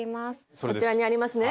こちらにありますね。